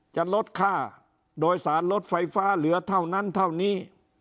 จะลดค่าโดยสารรถไฟฟ้าเหลือเท่านั้นเท่านี้